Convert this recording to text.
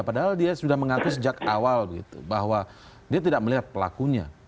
padahal dia sudah mengaku sejak awal bahwa dia tidak melihat pelakunya